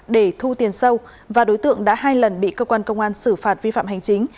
để thu tiền sâu và đối tượng đã hai lần bị cơ quan công an xử phạt vi phạm hành chính